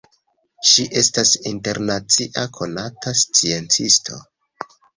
Ŝi estas internacia konata sciencisto.